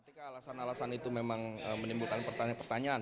ketika alasan alasan itu memang menimbulkan pertanyaan pertanyaan